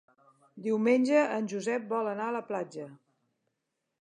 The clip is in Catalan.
Diumenge en Josep vol anar a la platja.